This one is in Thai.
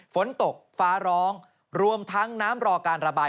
ฝนตกฟ้าร้องรวมทั้งน้ำรอการระบาย